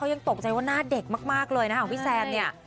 ยังตกใจว่าหน้าเด็กมากเลยนะของพี่แซมเนี่ย